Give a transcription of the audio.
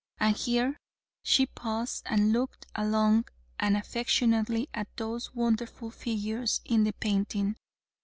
And here she paused and looked long and affectionately at those wonderful figures in the painting.